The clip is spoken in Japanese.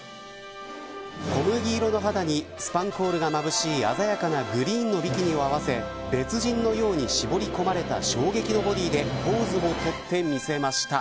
小麦色の肌にスパンコールがまぶしい鮮やかなグリーンのビキニを合わせ別人のように絞り込まれた衝撃のボディーでポーズをとってみせました。